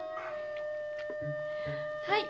はい。